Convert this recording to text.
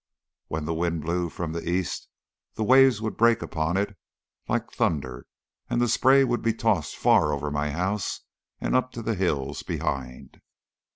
When the wind blew from the east the waves would break upon it like thunder, and the spray would be tossed far over my house and up to the hills behind.